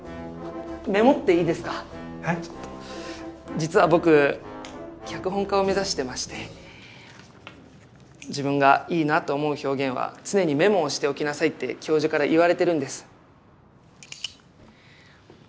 実は僕脚本家を目指してまして自分がいいなって思う表現は常にメモをしておきなさいって教授から言われてるんです。